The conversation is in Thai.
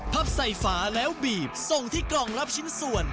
พับใส่ฝาแล้วบีบส่งที่กล่องรับชิ้นส่วน